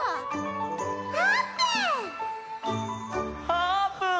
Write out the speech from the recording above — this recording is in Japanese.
あーぷん！